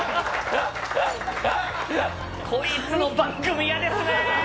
こいつの番組イヤですね。